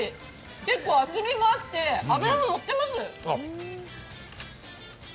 結構厚みもあって、脂ものってます。